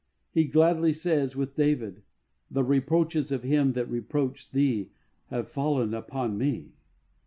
He gladly says, with David, " The reproaches of them that reproached Thee have fallen upon me."